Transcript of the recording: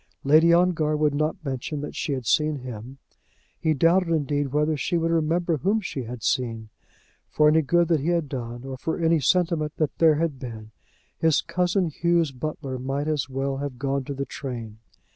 Lady Ongar would not mention that she had seen him. He doubted, indeed, whether she would remember whom she had seen. For any good that he had done, or for any sentiment that there had been, his cousin Hugh's butler might as well have gone to the train.